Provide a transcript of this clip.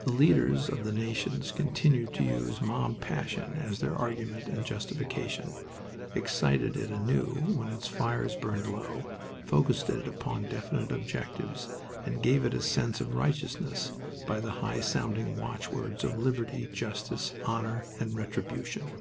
The leaders of the nations continued to use mob passion as their argument and justification, excited it anew when its fires burned low, focused it upon definite objectives, and gave it a sense of righteousness by the high sounding watchwords of liberty, justice, honor, and retribution.